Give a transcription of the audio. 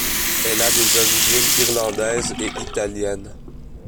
Elle a des origines irlandaises et italiennes.